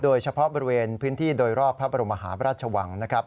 โดยเฉพาะบริเวณพื้นที่โดยรอบพระบรมหาพระราชวังนะครับ